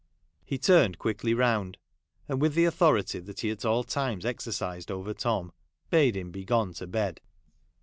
He turned quickly round, and with the authority he at all times exercised over Tom, bade him begone to bed.